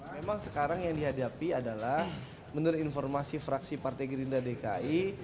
memang sekarang yang dihadapi adalah menurut informasi fraksi partai gerindra dki